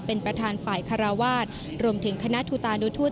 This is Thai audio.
เป็นประธานฝ่ายคาราวาสรวมถึงคณะทุตานุทูต